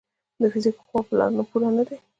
د فزیک خواب لا پوره نه دی.